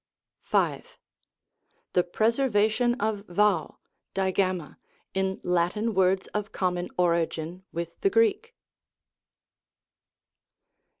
V. The preservation of Vau (Digamma) in Latin words of common origin with the Greek.